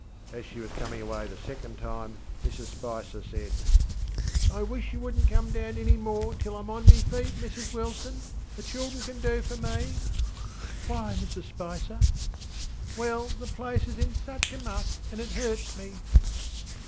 As she was coming away the second time, Mrs Spicer saidŌĆö ŌĆśI wish you wouldnŌĆÖt come down any more till IŌĆÖm on me feet, Mrs Wilson. The children can do for me. ŌĆÖ ŌĆśWhy, Mrs Spicer? ŌĆÖ ŌĆśWell, the place is in such a muck, and it hurts me.